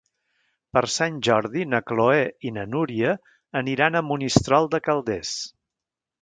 Per Sant Jordi na Chloé i na Núria aniran a Monistrol de Calders.